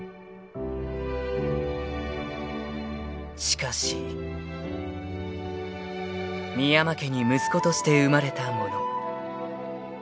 ［しかし］［深山家に息子として生まれた者］